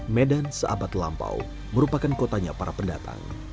medan seabad lampau merupakan kotanya para pendatang